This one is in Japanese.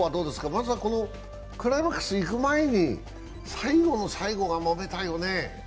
まずはクライマックスにいく前に最後の最後がもめたよね。